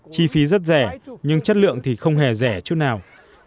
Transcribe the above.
chi phí rất rẻ nhưng chất lượng thì không hề rẻ chút nào